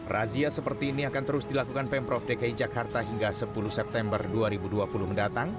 razia seperti ini akan terus dilakukan pemprov dki jakarta hingga sepuluh september dua ribu dua puluh mendatang